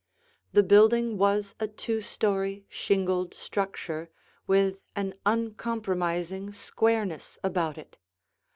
The building was a two story, shingled structure with an uncompromising squareness about it.